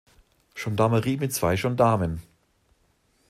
Gendarmerie mit zwei Gendarmen.